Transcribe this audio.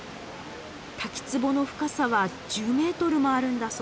滝つぼの深さは１０メートルもあるんだそうです。